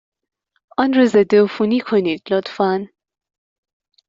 آن را ضدعفونی کنید، لطفا.